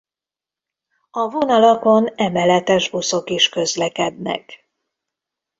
A vonalakon emeletes buszok is közlekednek.